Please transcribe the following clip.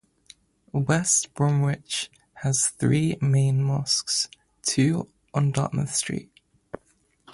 West Bromwich has three main mosques, two on Dartmouth Street.